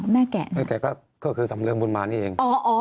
แม่แก่ก็คือสำเรืองบุญมาณนี่เอง